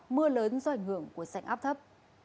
mưa lớn do ảnh hưởng của sạch áp thấp